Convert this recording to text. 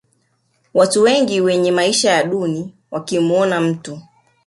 watu wengi wenye maisha duni wakimuona mtu